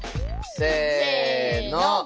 せの。